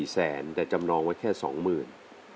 ๔แสนแต่จำนองว่าแค่สองหมื่น